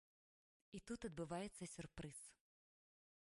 І тут адбываецца сюрпрыз.